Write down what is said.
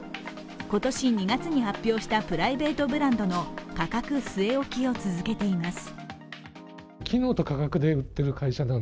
今年２月に発表したプライベートブランドの価格据え置きを続けています。